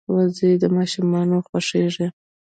وزې د ماشومانو خوښېږي